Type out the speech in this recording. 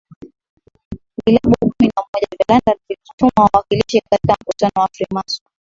Vilabu kumi na moja vya London vilituma wawakilishi katika mkutano wa Freemasons